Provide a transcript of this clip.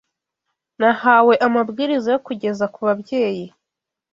Nahawe amabwiriza yo kugeza ku babyeyi: